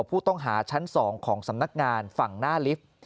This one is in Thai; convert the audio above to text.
ผู้ต้องหาชั้น๒ของสำนักงานฝั่งหน้าลิฟท์